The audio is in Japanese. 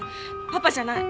パパじゃない。